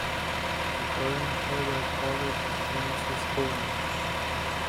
The current head of college is Frances Corner.